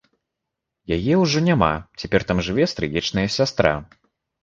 Яе ўжо няма, цяпер там жыве стрыечная сястра.